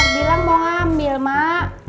mau ajak bilang mau ngambil mak